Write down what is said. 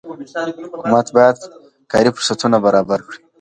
حکومت باید کاري فرصتونه برابر وکړي.